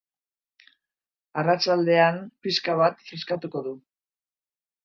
Arratsaldean pixka bat freskatuko du.